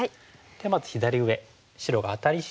まず左上白がアタリして。